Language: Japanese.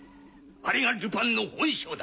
あれがルパンの本性だ！